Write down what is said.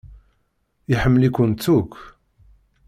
Iḥemmel-ikent akk.